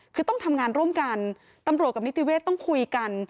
คือต้องทำงานร่วมกันตำรวจกับนิติเวศต้องคุยกัน